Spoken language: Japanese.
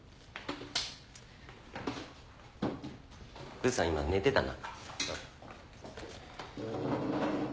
ブーさん今寝てたな。